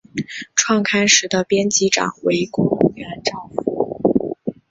创刊时的编辑长为宫原照夫。